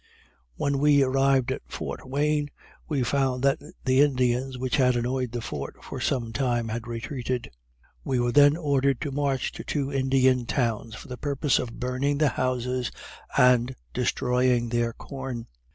When we arrived at Fort Wayne, we found that the Indians which had annoyed the fort for some time, had retreated. We were then ordered to march to two Indian towns, for the purpose of burning the houses and destroying their corn.